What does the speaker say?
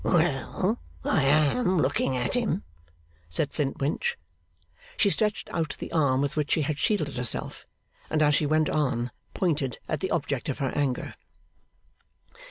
'Well, I am looking at him,' said Flintwinch. She stretched out the arm with which she had shielded herself, and as she went on, pointed at the object of her anger.